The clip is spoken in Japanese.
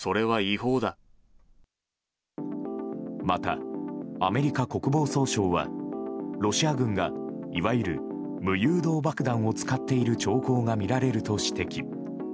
また、アメリカ国防総省はロシア軍がいわゆる無誘導爆弾を使っている兆候が見られると指摘。